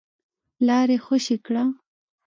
لاره يې خوشې کړه.